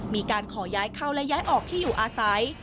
มีการขอย้ายเข้าและย้ายออกที่อยู่อาศัย